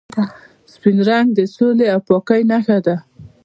سپین رنګ د سولې او پاکۍ نښه ده.